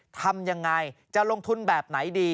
ทำยังไงจะลงทุนแบบไหนดี